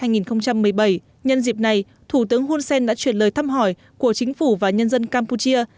nhân dịp này thủ tướng hunsen đã truyền lời thăm hỏi của chính phủ và nhân dân campuchia